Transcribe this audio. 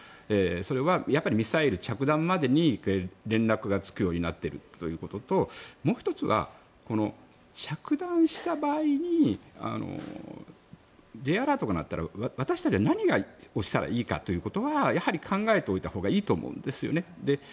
それはミサイル着弾までに連絡がつくようになっているということともう１つは、着弾した場合にＪアラートが鳴ったら私たちは何をしたらいいかということはやはり考えておいたほうがいいと思うんですよね。